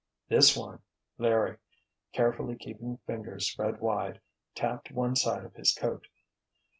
"This one!" Larry, carefully keeping fingers spread wide, tapped one side of his coat.